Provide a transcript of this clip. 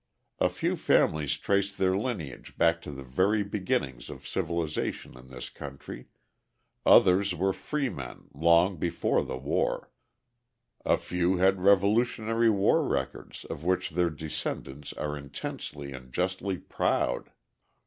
A few families trace their lineage back to the very beginnings of civilisation in this country, others were freemen long before the war, a few had revolutionary war records of which their descendants are intensely and justly proud.